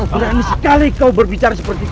berani sekali kau berbicara seperti itu